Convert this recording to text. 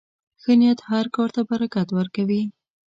ښه نیت هر کار ته برکت ورکوي.